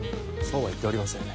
そうは言っておりません。